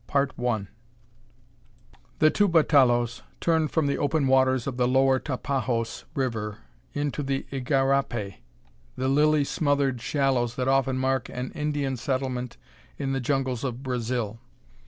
"_] The two batalões turned from the open waters of the lower Tapajos River into the igarapé, the lily smothered shallows that often mark an Indian settlement in the jungles of Brazil.